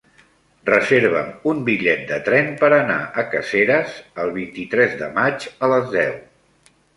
Reserva'm un bitllet de tren per anar a Caseres el vint-i-tres de maig a les deu.